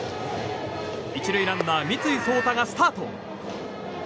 １塁ランナー三井颯大がスタート。